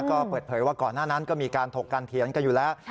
ก็เปิดเผยว่าก่อนหน้านั้นก็มีการถกการเถียงกันอยู่แล้ว